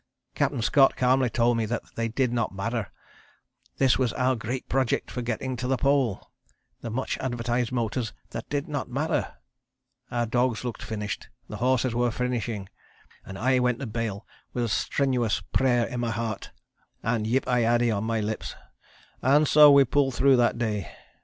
Captain Scott calmly told me that they 'did not matter' This was our great project for getting to the Pole the much advertised motors that 'did not matter'; our dogs looked finished, and horses were finishing, and I went to bale with a strenuous prayer in my heart, and 'Yip i addy' on my lips, and so we pulled through that day.